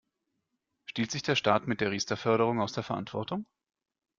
Stiehlt sich der Staat mit der Riester-Förderung aus der Verantwortung?